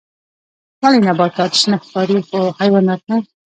ولې نباتات شنه ښکاري خو حیوانات نه